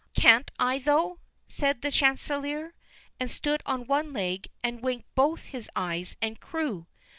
"Can't I, though!" said Chanticleer, and stood on one leg, and winked both his eyes and crew.